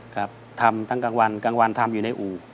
ครับทำทั้งกลางวันกลางวันทำอยู่ในอู่